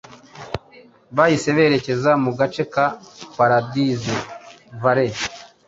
bahise berekeza mu gace ka Paradise Valley